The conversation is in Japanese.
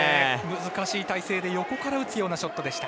難しい体勢で横から打つようなショットでした。